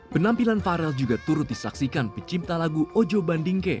penampilan farel juga turut disaksikan pecinta lagu ojo bandingke